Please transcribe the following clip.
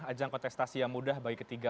ajang kontestasi yang mudah bagi ketiga